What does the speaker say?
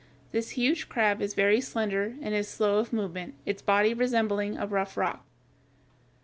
This huge crab is very slender, and is slow of movement, its body resembling a rough rock.